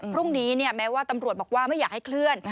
พรุ่งนี้แม้ว่าตำรวจบอกว่าไม่อยากให้เคลื่อน